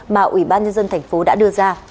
mà ủy ban nhân dân thành phố đã đưa ra